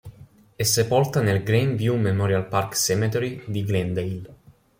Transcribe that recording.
È sepolta nel Grand View Memorial Park Cemetery di Glendale.